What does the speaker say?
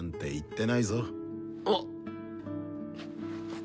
あっ。